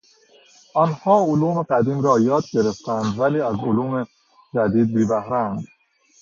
آنها علوم قدیم را یاد گرفتهاند ولی از علوم جدید بیبهرهاند.